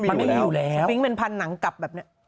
ไม่ขนมันมีอยู่แล้วฟิงมันพันธุ์ถึงหนังกลับแบบนี้